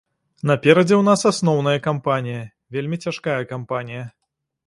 Наперадзе ў нас асноўная кампанія, вельмі цяжкая кампанія.